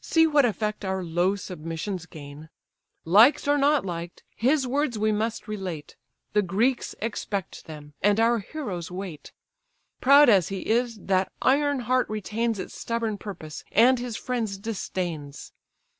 See what effect our low submissions gain! Liked or not liked, his words we must relate, The Greeks expect them, and our heroes wait. Proud as he is, that iron heart retains Its stubborn purpose, and his friends disdains.